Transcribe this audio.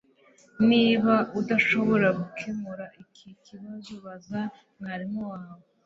Niba udashobora gukemura iki kibazo baza mwarimu wawe